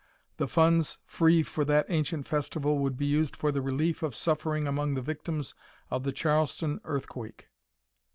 The funds free for that ancient festival would be used for the relief of suffering among the victims of the Charleston earthquake.